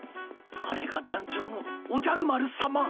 あれが団長のおじゃる丸さま。